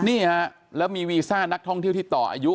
นี่ฮะแล้วมีวีซ่านักท่องเที่ยวที่ต่ออายุ